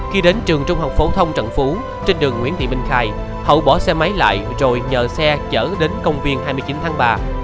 khi đến trường trung học phổ thông trần phú trên đường nguyễn thị minh khai hậu bỏ xe máy lại rồi nhờ xe chở đến công viên hai mươi chín tháng ba